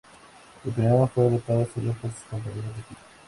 El premio fue votado sólo por sus compañeros de equipo.